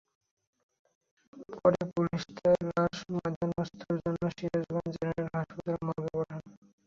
পরে পুলিশ তাঁর লাশ ময়নাতদন্তের জন্য সিরাজগঞ্জ জেনারেল হাসপাতাল মর্গে পাঠায়।